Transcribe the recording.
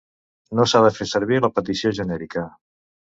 No s'ha de fer servir la petició genèrica.